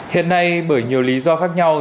hiện nay bởi nhiều lý do khác nhau